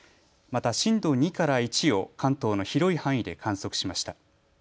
また震度２から１を関東の広い範囲で観測しました。